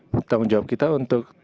tanggung jawab kita untuk